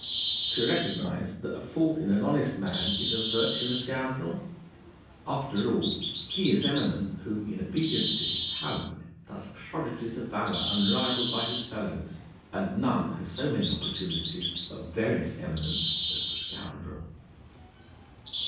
To recognise that a fault in an honest man is a virtue in a scoundrel? After all, he is eminent who, in obedience to his talent, does prodigies of valour unrivalled by his fellows. And none has so many opportunities of various eminence as the scoundrel.